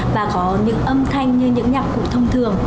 và có những âm thanh những bài hát những bài hát những bài hát những bài hát